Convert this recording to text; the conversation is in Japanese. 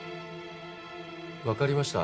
わかりました。